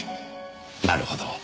なるほど。